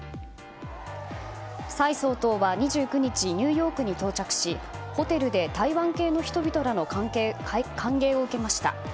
蔡総統は２９日ニューヨークに到着しホテルで台湾系の人々らの歓迎を受けました。